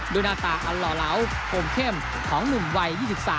ด้วยหน้าตาอัลล่อเหลาผมเข้มของหนุ่มวัย๒๓